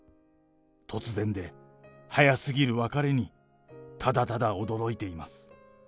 突然で早すぎる別れに、ただただ驚いています。